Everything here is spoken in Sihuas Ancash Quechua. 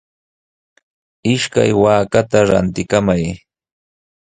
Ishkay waakata rantikamay.